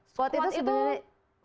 squat itu sebenernya